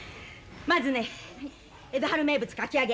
まずね江戸春名物かき揚げ！